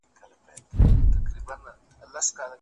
له ښکاري مي وېره نسته زه له دامه ګیله من یم